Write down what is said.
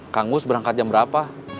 kang gus berangkat jam berapa